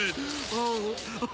ああ。